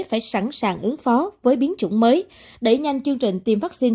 phải sẵn sàng ứng phó với biến chủng mới đẩy nhanh chương trình tiêm vaccine